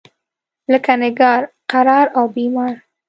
لکه نګار، قرار او بیمار.